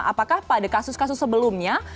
apakah pada kasus kasus sebelumnya